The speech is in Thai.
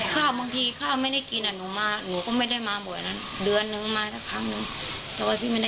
ข้าวบางทีข้าวไม่ได้กินหนูมาหนูก็ไม่ได้มาบ่อยนั้น